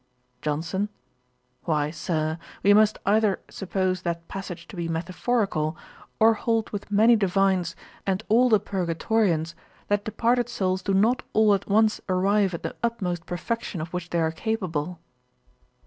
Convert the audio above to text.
JOHNSON. 'Why, Sir, we must either suppose that passage to be metaphorical, or hold with many divines, and all the Purgatorians that departed souls do not all at once arrive at the utmost perfection of which they are capable.'